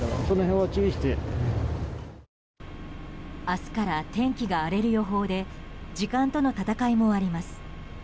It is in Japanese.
明日から天気が荒れる予報で時間との戦いもあります。